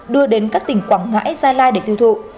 đưa đến các tỉnh quảng ngãi gia lai để tiêu thụ